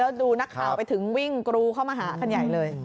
แล้วดูนักข่าวไปถึงวิ่งกรูเข้ามาหาคันใหญ่เลย